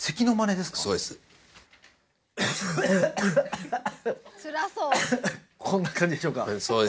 そうですこんな感じでしょうか？